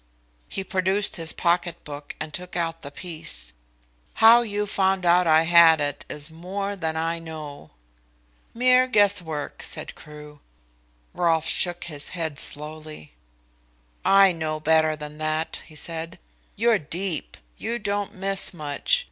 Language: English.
He produced his pocket book and took out the piece. "How you found out I had it, is more than I know." "Mere guess work," said Crewe. Rolfe shook his head slowly. "I know better than that," he said. "You're deep. You don't miss much.